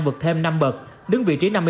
vượt thêm năm bậc đứng vị trí